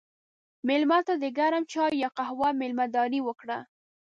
مېلمه ته د ګرم چای یا قهوې میلمهداري وکړه.